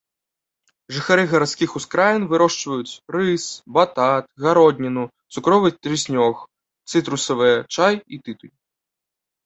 Жыхары гарадскіх ускраін вырошчваюць рыс, батат, гародніну, цукровы трыснёг, цытрусавыя, чай і тытунь.